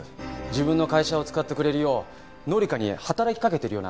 自分の会社を使ってくれるよう紀香に働きかけているようなんですよ。